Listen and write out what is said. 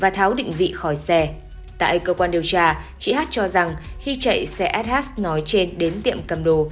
tại cơ quan điều tra chị hát cho rằng khi chạy xe sh nói trên đến tiệm cầm đồ